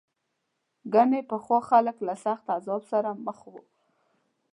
ګنې پخوا خلک له سخت عذاب سره مخ وو.